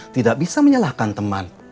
tidak bisa menyalahkan teman